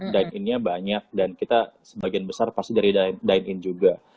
dine in nya banyak dan kita sebagian besar pasti dari dine in juga